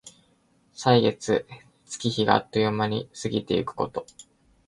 歳月、月日があっという間に過ぎてゆくこと。